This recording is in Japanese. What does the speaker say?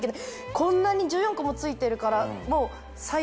こんなに１４個も付いてるからもう最適。